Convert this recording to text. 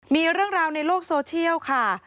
มีเรื่องราวในโลกโซเชียลค่ะ